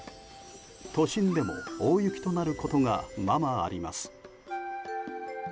都心でも大雪となることがままあります。